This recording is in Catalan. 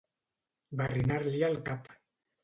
Barrinar-li el cap.